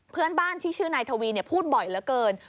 เพื่อนบ้านที่ชื่อนายทวีพูดบ่อยเหลือเกิน